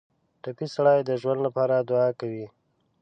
ټپي سړی د ژوند لپاره دعا کوي.